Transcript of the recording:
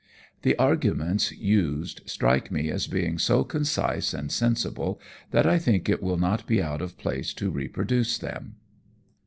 The arguments used strike me as being so concise and sensible that I think it will not be out of place to reproduce them.